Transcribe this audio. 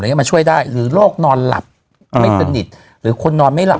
มาช่วยได้หรือโรคนอนหลับไม่สนิทหรือคนนอนไม่หลับ